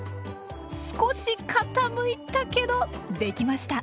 少し傾いたけどできました！